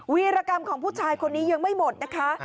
วีรกรรมของผู้ชายคนนี้ยังไม่หมดนะคะ